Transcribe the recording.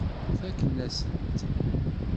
Fakken-asen-t.